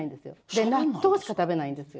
で納豆しか食べないんですよ。